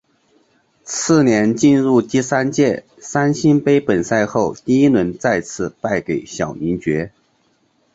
次年进入第三届三星杯本赛后第一轮再次败给小林觉。